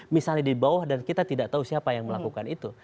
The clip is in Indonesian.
misalnya di bawah dan kita tidak tahu siapa yang melakukan itu